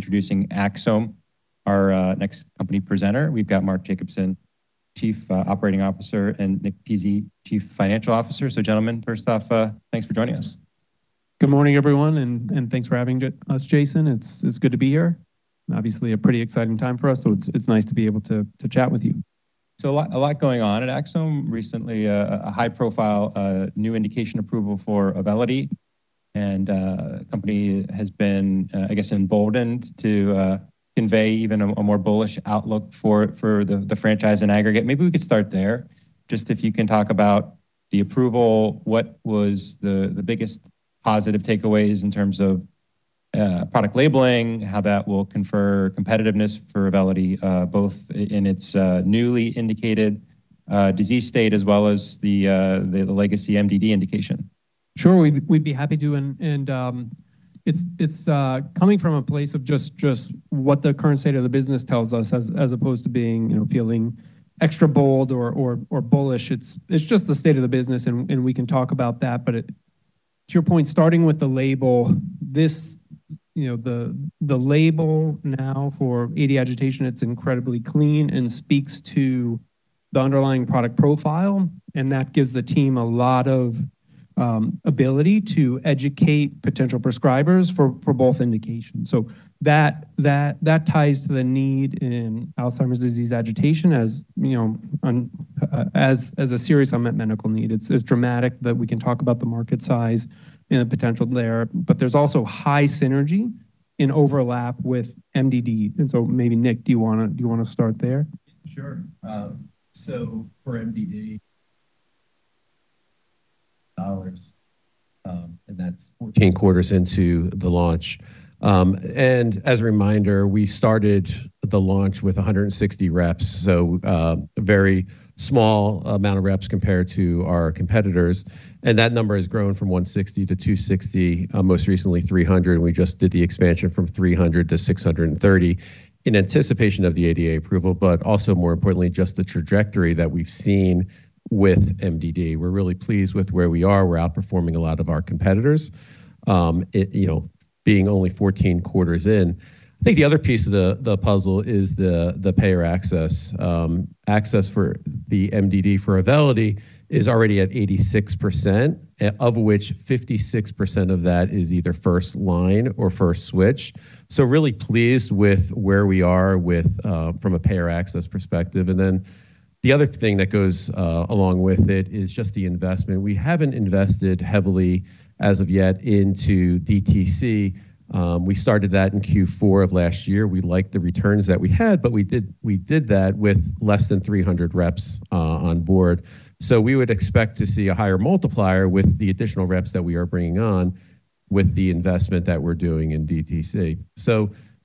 Be introducing Axsome, our next company presenter. We've got Mark Jacobson, Chief Operating Officer, and Nick Pizzie, Chief Financial Officer. Gentlemen, first off, thanks for joining us. Good morning, everyone, and thanks for having us, Jason. It's good to be here. Obviously a pretty exciting time for us. It's nice to be able to chat with you. A lot going on at Axsome. Recently, a high profile new indication approval for AUVELITY, and company has been, I guess, emboldened to convey even a more bullish outlook for the franchise in aggregate. Maybe we could start there. Just if you can talk about the approval, what was the biggest positive takeaways in terms of product labeling, how that will confer competitiveness for AUVELITY, both in its newly indicated disease state, as well as the legacy MDD indication. Sure. We'd be happy to, it's coming from a place of just what the current state of the business tells us as opposed to being, you know, feeling extra bold or bullish. It's just the state of the business and we can talk about that. To your point, starting with the label, this, you know, the label now for AD agitation, it's incredibly clean and speaks to the underlying product profile, and that gives the team a lot of ability to educate potential prescribers for both indications. That ties to the need in Alzheimer's disease agitation, as, you know, a serious unmet medical need. It's dramatic that we can talk about the market size and the potential there, but there's also high synergy and overlap with MDD. Maybe Nick, do you wanna start there? Sure. For MDD, hours and that's 14 quarters into the launch. As a reminder, we started the launch with 160 reps, a very small amount of reps compared to our competitors. That number has grown from 160 to 260, most recently 300. We just did the expansion from 300 to 630 in anticipation of the ADA approval, also more importantly, just the trajectory that we've seen with MDD. We're really pleased with where we are. We're outperforming a lot of our competitors, you know, being only 14 quarters in. I think the other piece of the puzzle is the payer access. Access for the MDD for AUVELITY is already at 86%, of which 56% of that is either first line or first switch. Really pleased with where we are with, from a payer access perspective. The other thing that goes along with it is just the investment. We haven't invested heavily as of yet into DTC. We started that in Q4 of last year. We liked the returns that we had, we did that with less than 300 reps on board. We would expect to see a higher multiplier with the additional reps that we are bringing on with the investment that we're doing in DTC.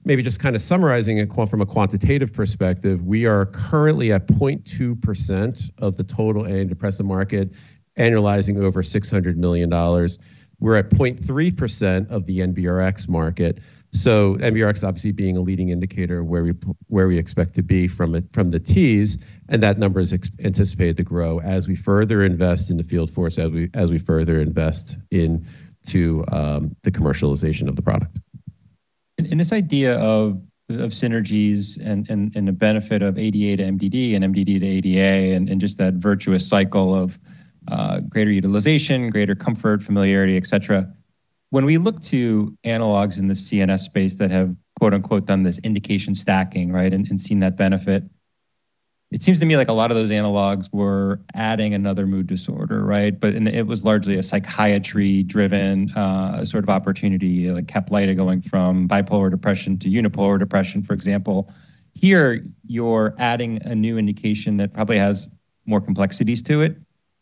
Maybe just kind of summarizing it from a quantitative perspective, we are currently at 0.2% of the total antidepressant market, annualizing over $600 million. We're at 0.3% of the NBRx market. NBRx obviously being a leading indicator where we expect to be from it, from the Ts, and that number is anticipated to grow as we further invest in the field force, as we further invest into the commercialization of the product. This idea of synergies and the benefit of ADA to MDD and MDD to ADA and just that virtuous cycle of greater utilization, greater comfort, familiarity, etc. When we look to analogs in the CNS space that have done this indication stacking, right, and seen that benefit, it seems to me like a lot of those analogs were adding another mood disorder, right? It was largely a psychiatry-driven sort of opportunity, like CAPLYTA going from bipolar depression to unipolar depression, for example. Here, you're adding a new indication that probably has more complexities to it,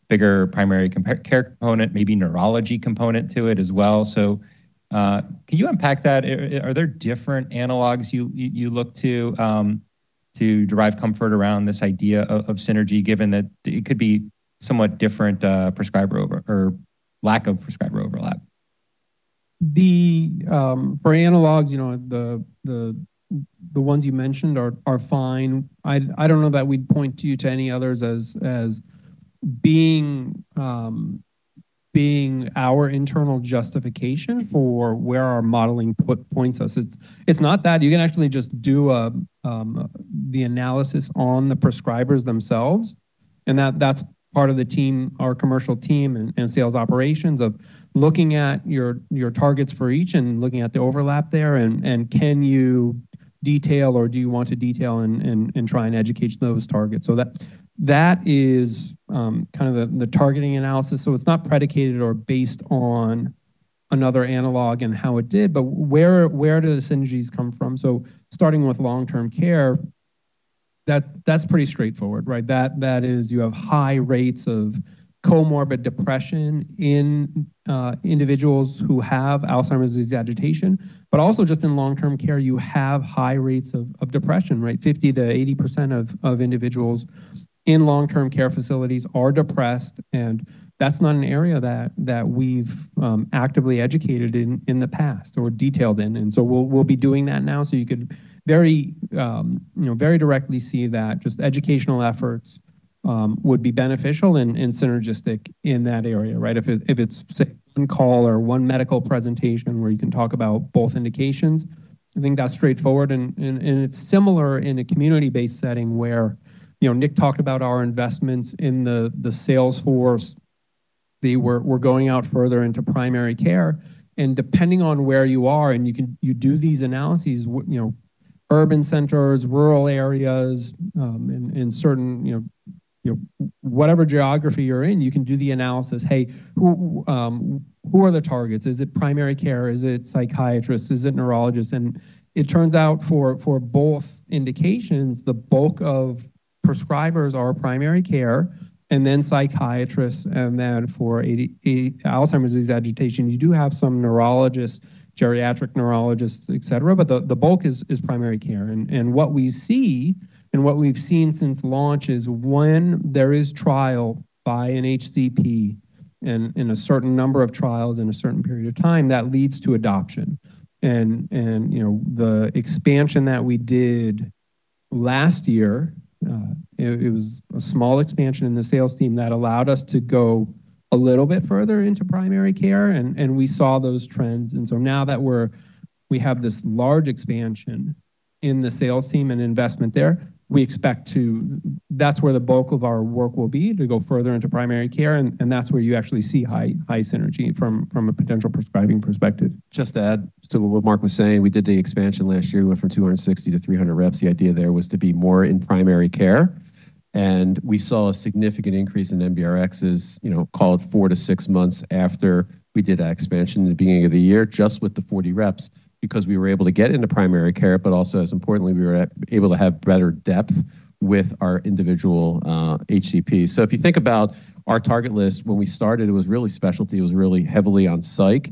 bigger primary care component, maybe neurology component to it as well. Can you unpack that? Are there different analogs you look to to derive comfort around this idea of synergy, given that it could be somewhat different prescriber or lack of prescriber overlap? The for analogs, you know, the the the ones you mentioned are are fine. I don't know that we'd point to any others as being being our internal justification for where our modeling put points us. It's, it's not that. You can actually just do the analysis on the prescribers themselves, and that's part of the team, our commercial team and sales operations of looking at your targets for each and looking at the overlap there and can you detail or do you want to detail and, and try and educate those targets. That, that is kind of the targeting analysis. It's not predicated or based on another analog and how it did, but where do the synergies come from? Starting with long-term care, that's pretty straightforward, right? That is you have high rates of comorbid depression in individuals who have Alzheimer's disease agitation. Also just in long-term care, you have high rates of depression, right? 50%-80% of individuals in long-term care facilities are depressed, and that's not an area that we've actively educated in the past or detailed in. We'll be doing that now, so you could very, you know, very directly see that just educational efforts would be beneficial and synergistic in that area, right? If it's say one call or one medical presentation where you can talk about both indications, I think that's straightforward and it's similar in a community-based setting where, you know, Nick talked about our investments in the sales force. We're going out further into primary care, depending on where you are, you do these analyses you know, urban centers, rural areas, in certain, you know, whatever geography you're in, you can do the analysis. Who are the targets? Is it primary care? Is it psychiatrists? Is it neurologists? It turns out for both indications, the bulk of prescribers are primary care and then psychiatrists. Then for Alzheimer's disease agitation, you do have some neurologists, geriatric neurologists, etc., but the bulk is primary care. What we see and what we've seen since launch is when there is trial by an HCP and in a certain number of trials in a certain period of time, that leads to adoption. You know, the expansion that we did last year, it was a small expansion in the sales team that allowed us to go a little bit further into primary care and we saw those trends. Now that we have this large expansion in the sales team and investment there, that's where the bulk of our work will be, to go further into primary care, and that's where you actually see high synergy from a potential prescribing perspective. Just to add to what Mark was saying, we did the expansion last year. We went from 260-300 reps. The idea there was to be more in primary care, we saw a significant increase in NBRx, you know, called four to six months after we did that expansion at the beginning of the year, just with the 40 reps, because we were able to get into primary care, but also as importantly, we were able to have better depth with our individual HCPs. If you think about our target list, when we started, it was really specialty. It was really heavily on psych,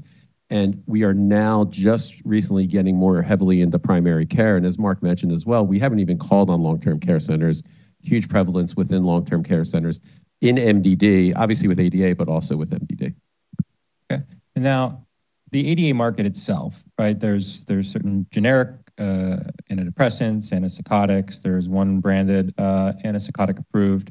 we are now just recently getting more heavily into primary care. As Mark mentioned as well, we haven't even called on long-term care centers. Huge prevalence within long-term care centers in MDD, obviously with ADA, but also with MDD. Okay. Now the ADA market itself, right? There's certain generic antidepressants, antipsychotics. There's one branded antipsychotic approved.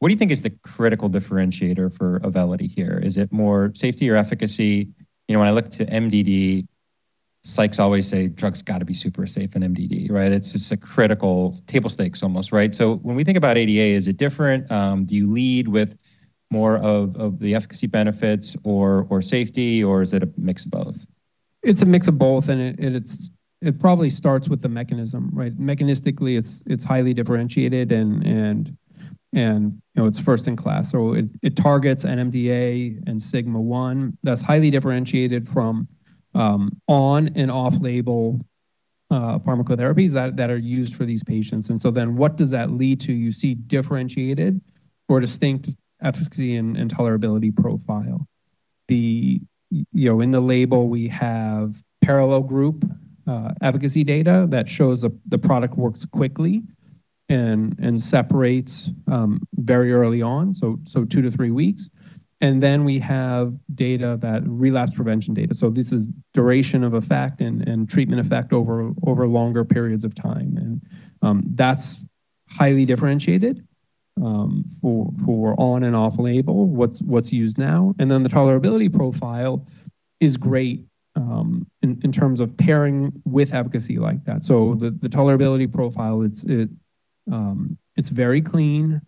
What do you think is the critical differentiator for AUVELITY here? Is it more safety or efficacy? You know, when I look to MDD, psychs always say drug's got to be super safe in MDD, right? It's just a critical table stakes almost, right? When we think about ADA, is it different? Do you lead with more of the efficacy benefits or safety, or is it a mix of both? It's a mix of both. It probably starts with the mechanism, right? Mechanistically, it's highly differentiated and, you know, it's first in class. It targets NMDA and sigma-1. That's highly differentiated from on and off-label pharmacotherapies that are used for these patients. What does that lead to? You see differentiated or distinct efficacy and tolerability profile. You know, in the label, we have parallel group efficacy data that shows the product works quickly and separates very early on, so two to three weeks and then we have data relapse prevention data. This is duration of effect and treatment effect over longer periods of time. That's highly differentiated for on and off-label, what's used now. The tolerability profile is great in terms of pairing with efficacy like that. The tolerability profile, it's very clean,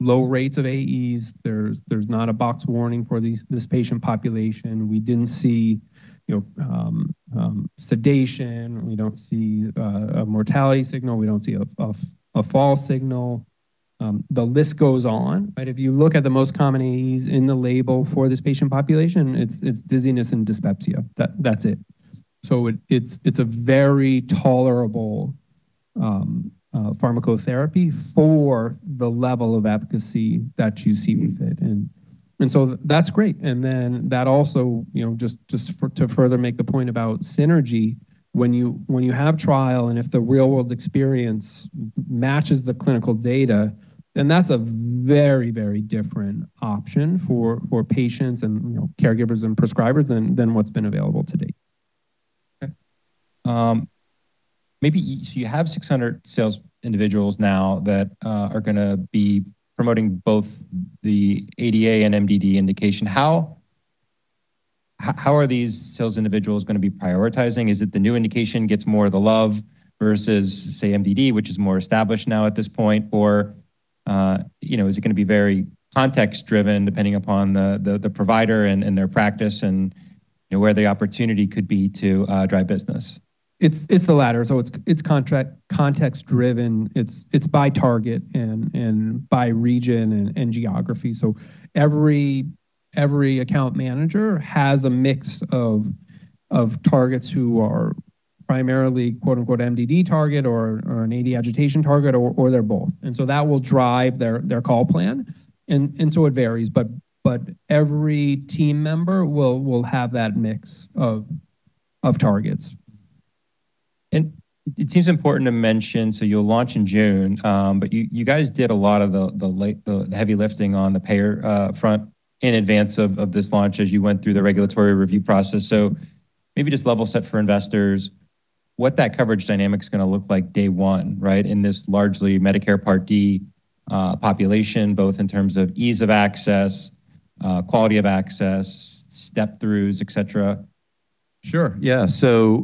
low rates of AEs. There's not a box warning for this patient population. We didn't see, you know, sedation. We don't see a mortality signal. We don't see a fall signal. The list goes on, right? If you look at the most common AEs in the label for this patient population, it's dizziness and dyspepsia. That's it. It's a very tolerable pharmacotherapy for the level of efficacy that you see with it. That's great. That also, you know, to further make the point about synergy, when you have trial and if the real-world experience matches the clinical data, that's a very different option for patients and, you know, caregivers and prescribers than what's been available to date. Okay. You have 600 sales individuals now that are gonna be promoting both the ADA and MDD indication. How are these sales individuals gonna be prioritizing? Is it the new indication gets more of the love versus, say, MDD, which is more established now at this point? You know, is it gonna be very context-driven depending upon the provider and their practice and, you know, where the opportunity could be to drive business? It's, it's the latter. It's, it's context-driven. It's, it's by target and by region and geography. Every account manager has a mix of targets who are primarily, "MDD target" or an AD agitation target or they're both. That will drive their call plan. It varies, but every team member will have that mix of targets. It seems important to mention, so you'll launch in June. You guys did a lot of the heavy lifting on the payer front in advance of this launch as you went through the regulatory review process. Maybe just level set for investors what that coverage dynamic's going to look like day one, right? In this largely Medicare Part D population, both in terms of ease of access, quality of access, step throughs, etc. Sure, yeah.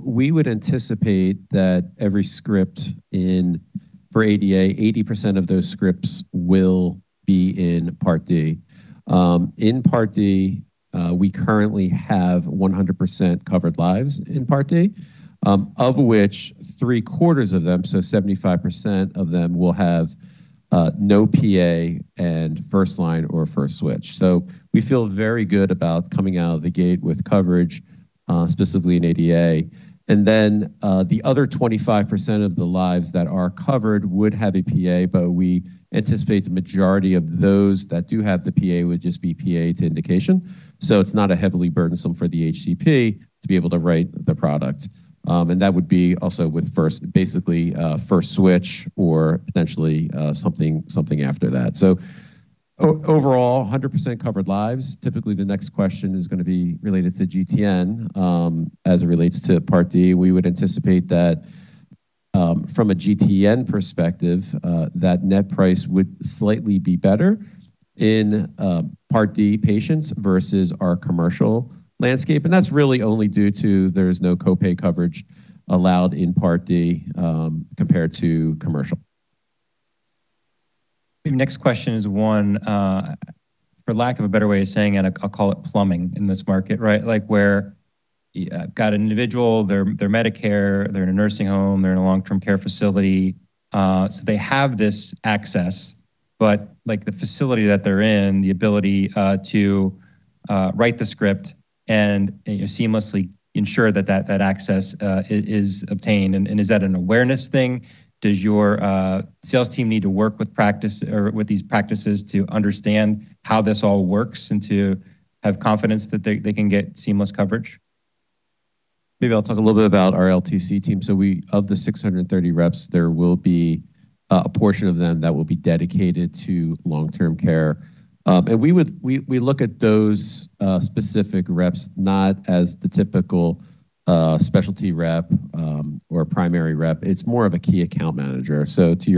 We would anticipate that every script in for ADA, 80% of those scripts will be in Part D. In Part D, we currently have 100% covered lives in Part D, of which 3/4 of them, so 75% of them, will have no PA and first line or first switch. We feel very good about coming out of the gate with coverage, specifically in ADA. The other 25% of the lives that are covered would have a PA, we anticipate the majority of those that do have the PA would just be PA to indication. It's not a heavily burdensome for the HCP to be able to write the product. That would be also with first, basically, first switch or potentially something after that. Overall, 100% covered lives. Typically, the next question is gonna be related to GTN. As it relates to Part D, we would anticipate that from a GTN perspective, that net price would slightly be better in Part D patients versus our commercial landscape. That's really only due to there's no co-pay coverage allowed in Part D compared to commercial. Maybe next question is one, for lack of a better way of saying it, I'll call it plumbing in this market, right? Like, where you got an individual, they're Medicare, they're in a nursing home, they're in a long-term care facility. They have this access, but, like, the facility that they're in, the ability to write the script and, you know, seamlessly ensure that access is obtained. Is that an awareness thing? Does your sales team need to work with practice or with these practices to understand how this all works and to have confidence that they can get seamless coverage? Maybe I'll talk a little bit about our LTC team. We, of the 630 reps, there will be a portion of them that will be dedicated to long-term care. We look at those specific reps not as the typical specialty rep or primary rep. It's more of a key account manager. To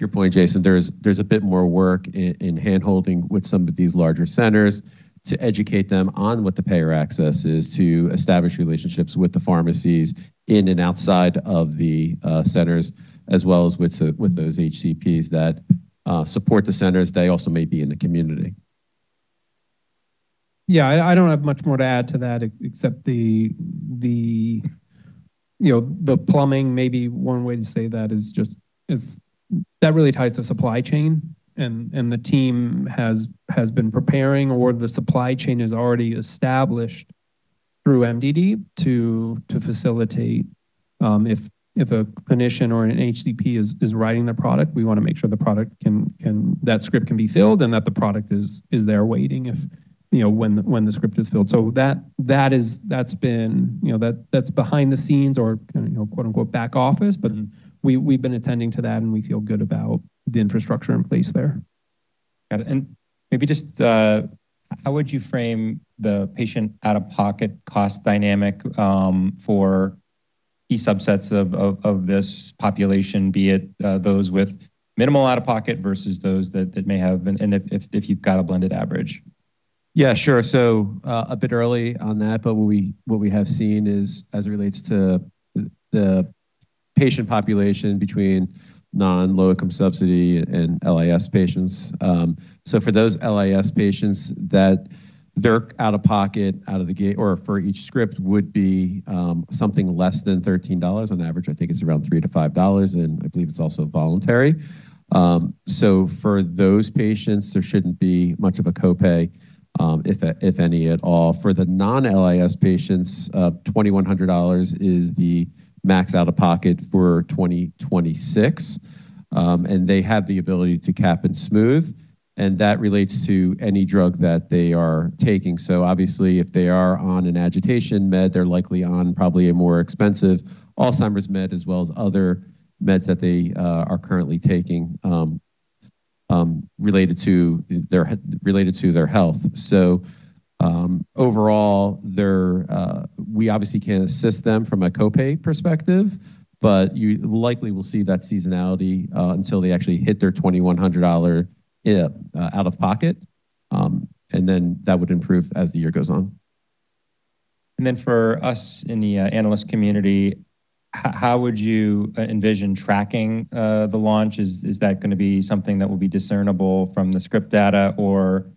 your point, Jason, there's a bit more work in hand-holding with some of these larger centers to educate them on what the payer access is, to establish relationships with the pharmacies in and outside of the centers, as well as with those HCPs that support the centers. They also may be in the community. Yeah, I don't have much more to add to that except the, you know, the plumbing, maybe one way to say that is just, is that really ties to supply chain. The team has been preparing or the supply chain is already established through MDD to facilitate if a clinician or an HCP is writing the product, we wanna make sure the product can, that script can be filled and that the product is there waiting if, you know, when the script is filled. That is, that's been, you know, that's behind the scenes or, you know, "back office". We've been attending to that, and we feel good about the infrastructure in place there. Got it. Maybe just how would you frame the patient out-of-pocket cost dynamic for these subsets of this population, be it, those with minimal out-of-pocket versus those that may have an If you've got a blended average? Yeah, sure. A bit early on that, but what we have seen is as it relates to the patient population between non-low-income subsidy and LIS patients. For those LIS patients that their out-of-pocket out of the gate or for each script would be something less than $13 on average. I think it's around $3-$5, and I believe it's also voluntary. For those patients, there shouldn't be much of a co-pay, if any at all. For the non-LIS patients, $2,100 is the max out-of-pocket for 2026. They have the ability to cap and smooth, and that relates to any drug that they are taking. Obviously, if they are on an agitation med, they're likely on probably a more expensive Alzheimer's med as well as other meds that they are currently taking related to their health. Overall, they're we obviously can assist them from a co-pay perspective, but you likely will see that seasonality until they actually hit their $2,100 out-of-pocket and that would improve as the year goes on. For us in the analyst community, how would you envision tracking the launch? Is that gonna be something that will be discernible from the script data or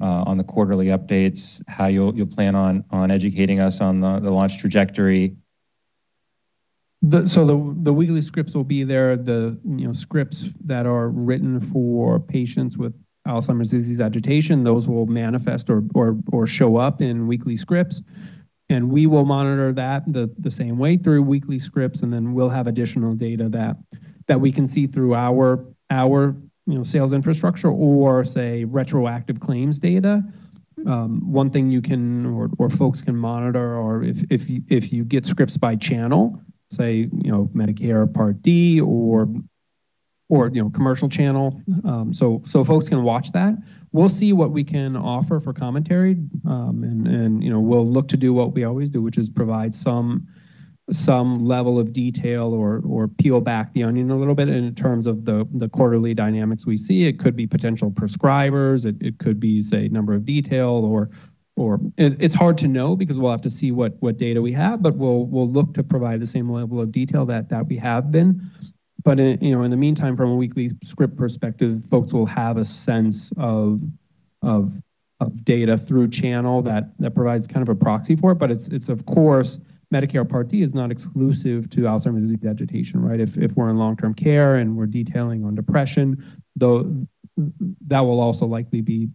on the quarterly updates, how you'll plan on educating us on the launch trajectory? The weekly scripts will be there. The, you know, scripts that are written for patients with Alzheimer's disease agitation, those will manifest or show up in weekly scripts. We will monitor that the same way through weekly scripts, and then we'll have additional data that we can see through our, you know, sales infrastructure or, say, retroactive claims data. One thing you can or folks can monitor or if you get scripts by channel, say, you know, Medicare Part D or, you know, commercial channel. Folks can watch that. We'll see what we can offer for commentary. You know, we'll look to do what we always do, which is provide some level of detail or peel back the onion a little bit in terms of the quarterly dynamics we see. It could be potential prescribers. It could be, say, number of detail or It's hard to know because we'll have to see what data we have, but we'll look to provide the same level of detail that we have been. In, you know, in the meantime, from a weekly script perspective, folks will have a sense of data through channel that provides kind of a proxy for it. It's of course, Medicare Part D is not exclusive to Alzheimer's disease agitation, right? If we're in long-term care and we're detailing on depression, that will also likely be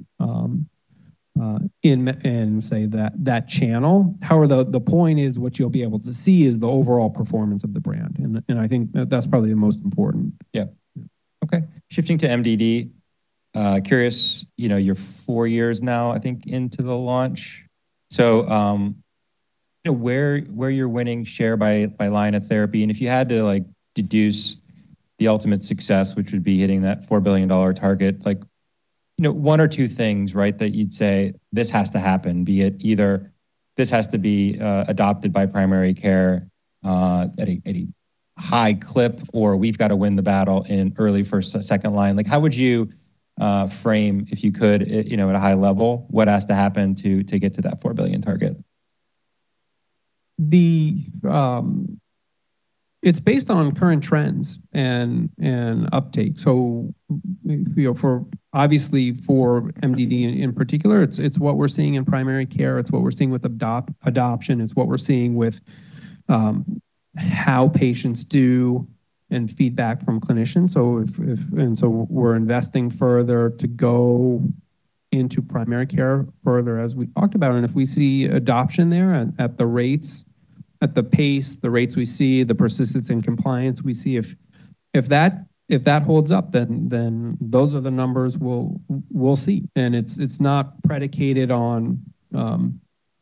in, say, that channel. However, the point is what you'll be able to see is the overall performance of the brand. I think that that's probably the most important. Yeah. Okay. Shifting to MDD, curious, you know, you're four years now, I think, into the launch. You know, where you're winning share by line of therapy, and if you had to like deduce the ultimate success, which would be hitting that $4 billion target, like, you know, one or two things, right, that you'd say this has to happen, be it either this has to be adopted by primary care at a high clip, or we've got to win the battle in early first, second line. How would you frame, if you could, you know, at a high level, what has to happen to get to that $4 billion target? It's based on current trends and uptake. You know, for obviously MDD in particular, it's what we're seeing in primary care. It's what we're seeing with adoption. It's what we're seeing with how patients do and feedback from clinicians. We're investing further to go into primary care further, as we talked about. If we see adoption there at the rates, at the pace, the rates we see, the persistence and compliance we see, if that holds up, then those are the numbers we'll see. It's not predicated on, you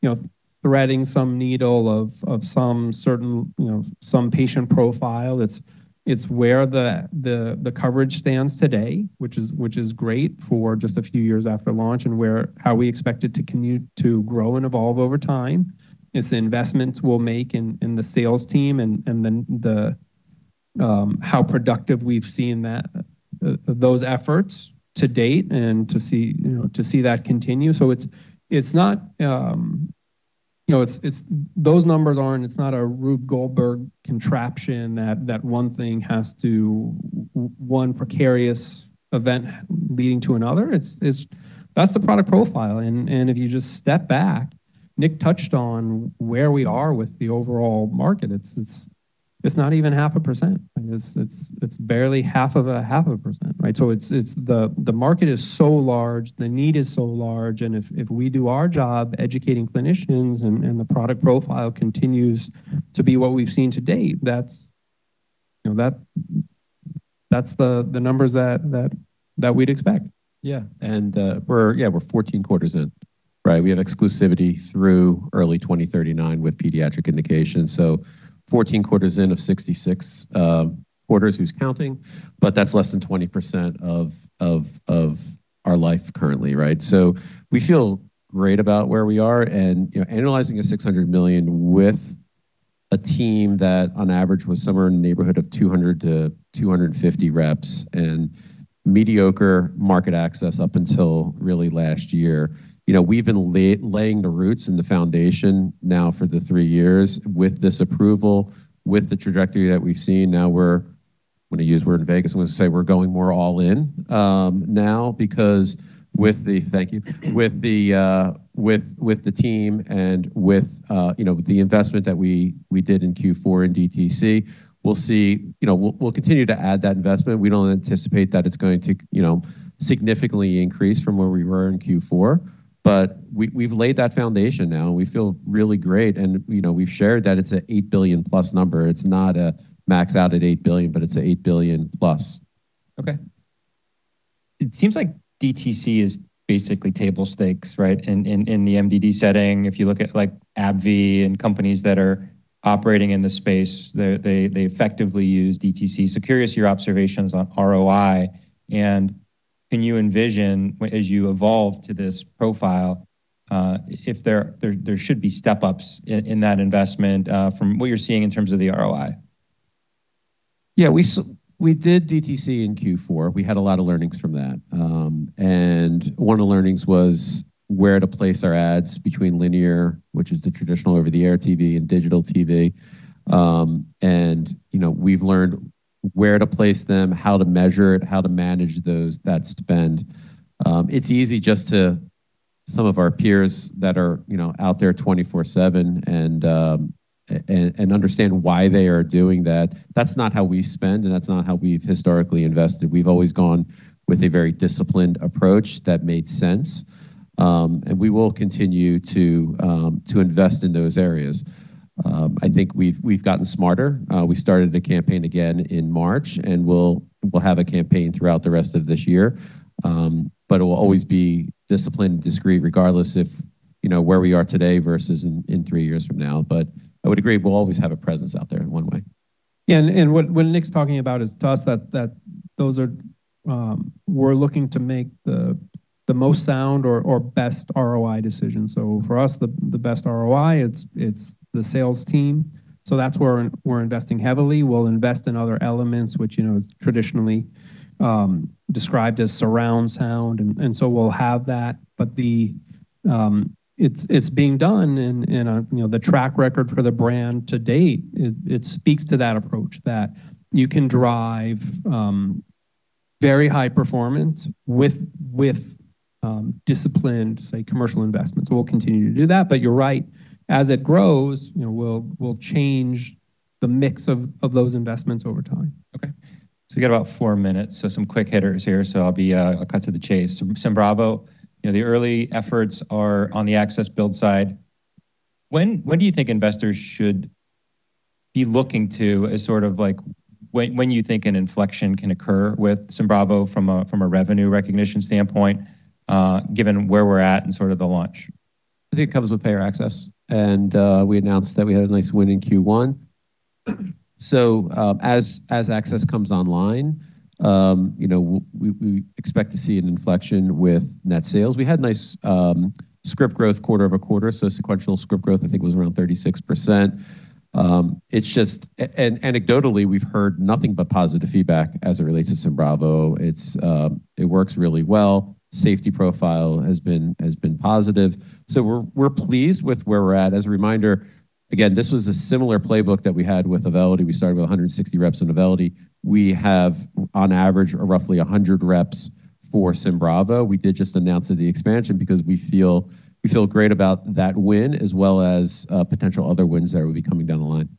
know, threading some needle of some certain, you know, some patient profile. It's where the coverage stands today, which is great for just a few years after launch and how we expect it to continue to grow and evolve over time. It's the investments we'll make in the sales team and then how productive we've seen that those efforts to date and to see, you know, to see that continue. It's not, you know, those numbers aren't, it's not a Rube Goldberg contraption that one thing has to one precarious event leading to another. That's the product profile. If you just step back, Nick touched on where we are with the overall market. It's not even half a percent. It's barely half of 0.5%, right? It's the market is so large, the need is so large, and if we do our job educating clinicians and the product profile continues to be what we've seen to date, that's, you know, that's the numbers that we'd expect. We're 14 quarters in, right? We have exclusivity through early 2039 with pediatric indications. 14 quarters in of 66 quarters. Who's counting? That's less than 20% of our life currently, right? We feel great about where we are and, you know, analyzing a $600 million with a team that on average was somewhere in the neighborhood of 200-250 reps and mediocre market access up until really last year. You know, we've been laying the roots and the foundation now for the three years with this approval, with the trajectory that we've seen. Now I'm gonna use a word in Vegas, I'm gonna say we're going more all in now because with the team and with, you know, the investment that we did in Q4 in DTC, we'll see. You know, we'll continue to add that investment. We don't anticipate that it's going to, you know, significantly increase from where we were in Q4. We've laid that foundation now and we feel really great and, you know, we've shared that it's an $8 billion+ number. It's not a max out at $8 billion, but it's an $8 billion+. Okay. It seems like DTC is basically table stakes, right? In the MDD setting, if you look at like AbbVie and companies that are operating in the space, they effectively use DTC. Curious your observations on ROI, and can you envision as you evolve to this profile, if there should be step-ups in that investment, from what you're seeing in terms of the ROI? Yeah. We did DTC in Q4. We had a lot of learnings from that. One of the learnings was where to place our ads between linear, which is the traditional over-the-air TV and digital TV. You know, we've learned where to place them, how to measure it, how to manage those, that spend. It's easy just to some of our peers that are, you know, out there twenty-four seven and understand why they are doing that. That's not how we spend, and that's not how we've historically invested. We've always gone with a very disciplined approach that made sense and we will continue to invest in those areas. I think we've gotten smarter. We started a campaign again in March, and we'll have a campaign throughout the rest of this year. It will always be disciplined and discreet, regardless if You know, where we are today versus in three years from now. I would agree, we'll always have a presence out there in one way. Yeah, what Nick's talking about is to us. We're looking to make the most sound or best ROI decision. For us, the best ROI, it's the sales team. That's where we're investing heavily. We'll invest in other elements, which, you know, is traditionally described as surround sound, and so we'll have that. It's being done. The track record for the brand to date speaks to that approach that you can drive very high performance with disciplined, say, commercial investments. We'll continue to do that. You're right, as it grows, you know, we'll change the mix of those investments over time. Okay. We got about four minutes, some quick hitters here. I'll cut to the chase. SYMBRAVO, you know, the early efforts are on the access build side. When do you think investors should be looking to a sort of when you think an inflection can occur with SYMBRAVO from a revenue recognition standpoint, given where we're at in sort of the launch? I think it comes with payer access. We announced that we had a nice win in Q1. As access comes online, you know, we expect to see an inflection with net sales. We had nice script growth quarter-over-quarter. Sequential script growth I think was around 36%. Anecdotally, we've heard nothing but positive feedback as it relates to SYMBRAVO. It works really well. Safety profile has been positive so we're pleased with where we're at. As a reminder, again, this was a similar playbook that we had with AUVELITY. We started with 160 reps on AUVELITY. We have on average roughly 100 reps for SYMBRAVO. We did just announce the expansion because we feel great about that win as well as potential other wins that will be coming down the line.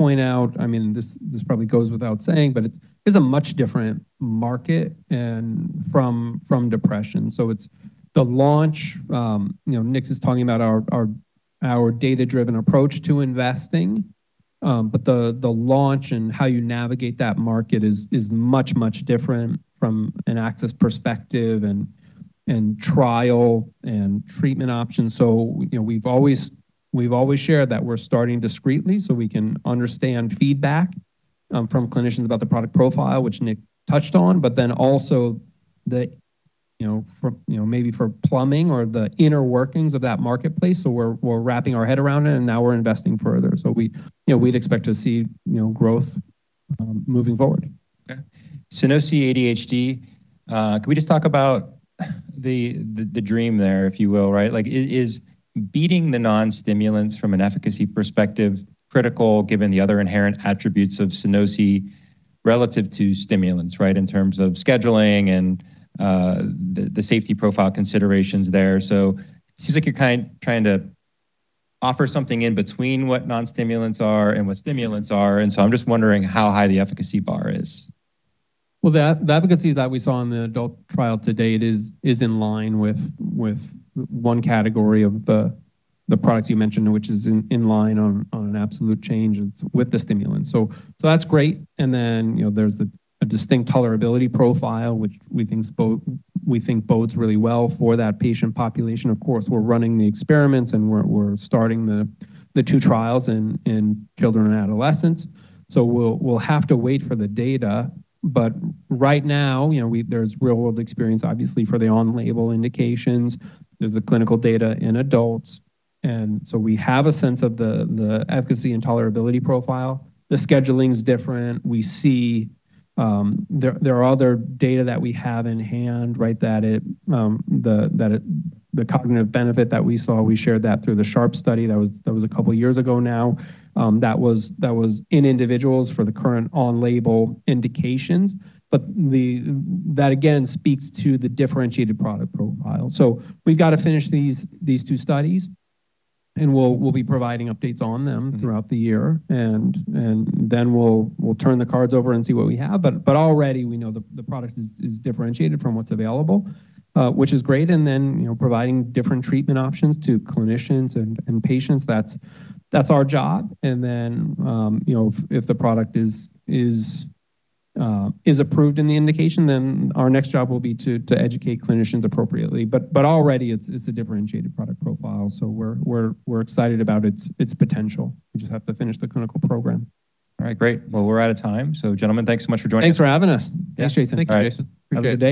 I mean, this probably goes without saying, but it's a much different market and from depression. It's the launch, you know, Nick is talking about our data-driven approach to investing. The launch and how you navigate that market is much different from an access perspective and trial and treatment options. You know, we've always shared that we're starting discreetly so we can understand feedback from clinicians about the product profile, which Nick touched on, also the, you know, for, maybe for plumbing or the inner workings of that marketplace. We're wrapping our head around it, and now we're investing further. We, you know, we'd expect to see, you know, growth, moving forward. SUNOSI ADHD, can we just talk about the, the dream there, if you will, right? Like, is beating the non-stimulants from an efficacy perspective critical given the other inherent attributes of SUNOSI relative to stimulants, right? In terms of scheduling and the safety profile considerations there. It seems like you're kind trying to offer something in between what non-stimulants are and what stimulants are, I'm just wondering how high the efficacy bar is. The efficacy that we saw in the adult trial to date is in line with one category of the products you mentioned, which is in line on an absolute change with the stimulant. That's great. You know, there's a distinct tolerability profile, which we think bodes really well for that patient population. Of course, we're running the experiments, and we're starting the two trials in children and adolescents. We'll have to wait for the data. Right now, you know, there's real world experience, obviously, for the on-label indications. There's the clinical data in adults. We have a sense of the efficacy and tolerability profile. The scheduling's different. We see, there are other data that we have in hand, right? That it The cognitive benefit that we saw, we shared that through the SHARP study. That was a couple years ago now. That was in individuals for the current on-label indications. That again speaks to the differentiated product profile. we've got to finish these two studies, and we'll be providing updates on them throughout the yeartThen we'll turn the cards over and see what we have. Already we know the product is differentiated from what's available, which is great. Then, you know, providing different treatment options to clinicians and patients, that's our job. Then, you know, if the product is approved in the indication, then our next job will be to educate clinicians appropriately. Already it's a differentiated product profile, so we're excited about its potential. We just have to finish the clinical program. All right, great. Well, we're out of time. Gentlemen, thanks so much for joining us. Thanks for having us. Yeah. Thanks, Jason. All right. Have a good day.